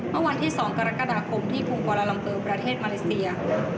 เมื่อวันที่๒กรกฎาคมที่กรุงปอลาลัมเปอร์ประเทศมาเลเซีย